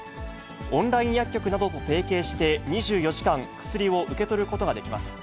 オンライン薬局などと提携して、２４時間、薬を受け取ることができます。